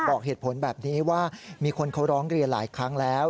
บอกเหตุผลแบบนี้ว่ามีคนเขาร้องเรียนหลายครั้งแล้ว